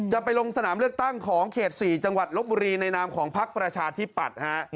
จะไปลงสนามเลือกตั้งของเขต๔จังหวัดลบบุรีในนามของพักประชาธิปัตย์ฮะ